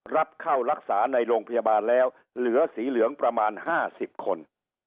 รับเข้ารักษาในโรงพยาบาลแล้วเหลือสีเหลืองประมาณ๕๐คน